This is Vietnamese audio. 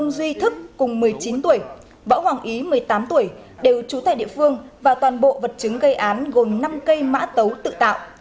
bảo hoàng ý một mươi tám tuổi đều trú tại địa phương và toàn bộ vật chứng gây án gồm năm cây mã tấu tự tạo